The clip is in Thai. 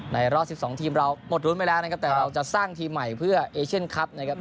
รอบ๑๒ทีมเราหมดรุ้นไปแล้วนะครับแต่เราจะสร้างทีมใหม่เพื่อเอเชียนคลับนะครับ